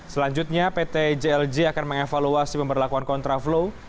selanjutnya pt jlj akan mengevaluasi pemberlakuan kontraflow